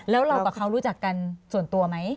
แล้วเรากับเขารู้จักกันส่วนตัวไหม